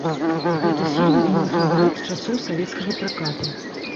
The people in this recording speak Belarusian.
Гэты фільм мой фаварыт часоў савецкага пракату.